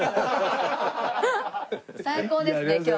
最高ですね今日。